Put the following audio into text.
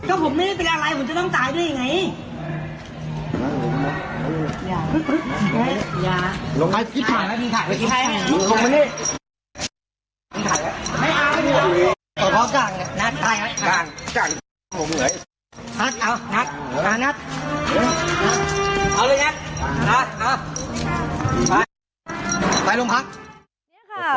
โอ้โห